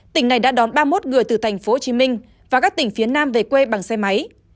tỉnh này đã đón ba mươi một người từ thành phố hồ chí minh và các tỉnh phía nam về quê bằng xe máy